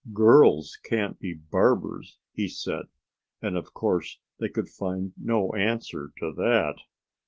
"Girls can't be barbers," he said. And of course they could find no answer to that.